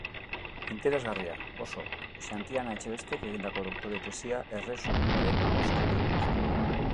Interesgarria, oso, Xantiana Etxebestek egindako doktore tesia erre soinuaren ahoskerei buruzkoa.